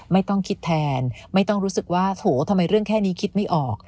ไม่ต้องคิดแทนไม่ต้องรู้สึกว่าโถทำไมเรื่องแค่นี้คิดไม่ออก